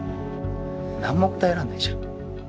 何も答えらんないじゃん！